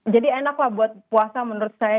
jadi enaklah buat puasa menurut saya